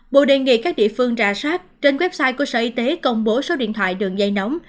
bộ đề nghị các địa phương rà soát trên website của sở y tế công bố số điện thoại đường dây nóng